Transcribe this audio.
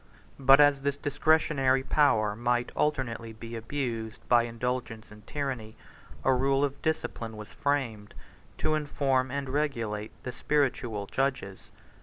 But as this discretionary power might alternately be abused by indulgence and tyranny, a rule of discipline was framed, to inform and regulate the spiritual judges.